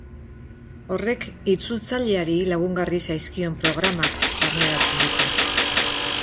Horrek itzultzaileari lagungarri zaizkion programak barneratzen ditu.